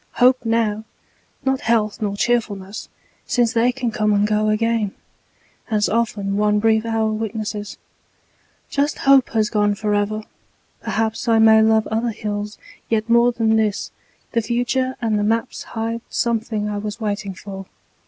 Hope now, not health nor cheerfulness, Since they can come and go again, As often one brief hour witnesses, Just hope has gone forever. Perhaps I may love other hills yet more Than this: the future and the maps Hide something I was waiting for.